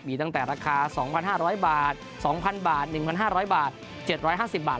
มีตั้งแต่ราคา๒๕๐๐บาท๒๐๐บาท๑๕๐๐บาท๗๕๐บาท